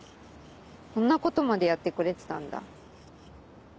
こんなことまでやってくれてたんだ。